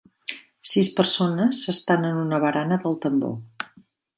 Sis persones s'estan en una barana de "El Tambor".